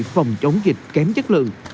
phòng chống dịch kém chất lượng